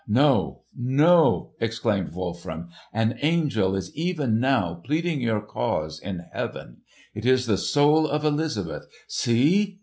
"No, no!" exclaimed Wolfram; "an angel is even now pleading your cause in Heaven. It is the soul of Elizabeth! See!"